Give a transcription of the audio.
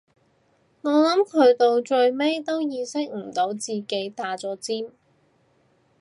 我諗佢到最尾都意識唔到自己打咗尖